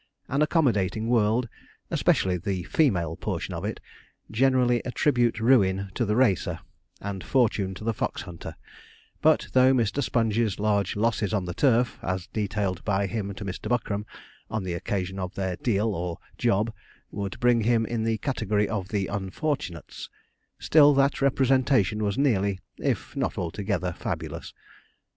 An accommodating world especially the female portion of it generally attribute ruin to the racer, and fortune to the fox hunter; but though Mr. Sponge's large losses on the turf, as detailed by him to Mr. Buckram on the occasion of their deal or 'job,' would bring him in the category of the unfortunates; still that representation was nearly, if not altogether, fabulous.